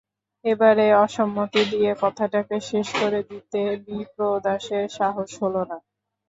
এবারে অসম্মতি দিয়ে কথাটাকে শেষ করে দিতে বিপ্রদাসের সাহস হল না।